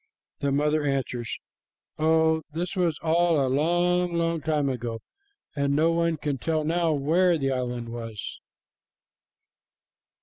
the mother answers, "Oh, this was all a long, long time ago, and no one can tell now where the island was."